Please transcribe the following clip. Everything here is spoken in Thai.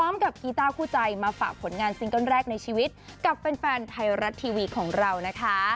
มาฝากผลงานซิงค์ต้นแรกในชีวิตกับเป็นแฟนไทยรัสทีวีของเรานะคะ